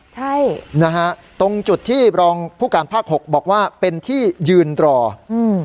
ใช่นะฮะตรงจุดที่รองผู้การภาคหกบอกว่าเป็นที่ยืนรออืม